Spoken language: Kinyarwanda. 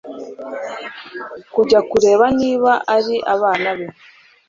kujya kureba niba ari abana be